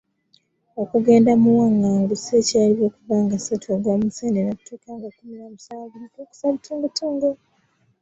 Okugenda muwanganguse kyaliwo okuva ng'asatu ogwa Museenene okutuuka nga kkumi na musanvu Mukulukusabituungotungo.